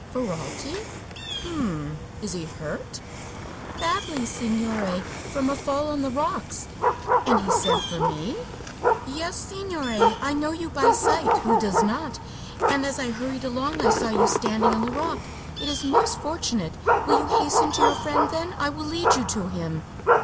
"Ferralti. H m m. Is he hurt?" "Badly, signore; from a fall on the rocks." "And he sent for me?" "Yes, signore. I know you by sight who does not? and as I hurried along I saw you standing on the rock. It is most fortunate. Will you hasten to your friend, then? I will lead you to him."